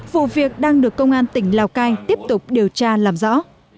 vụ việc đang được công an tỉnh lào cai tiếp tục điều tra làm rõ